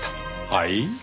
はい？